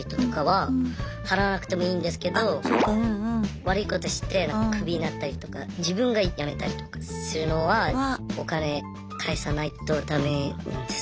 悪いことしてクビになったりとか自分がやめたりとかするのはお金返さないとダメなんです。